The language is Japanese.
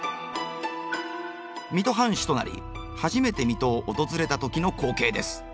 水戸藩主となり初めて水戸を訪れた時の光景です。